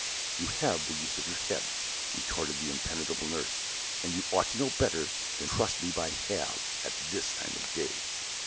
"You have the use of your head," retorted the impenetrable nurse. "And you ought to know better than to trust me by halves, at this time of day."